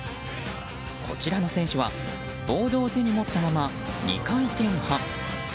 こちらの選手はボードを手に持ったまま２回転半。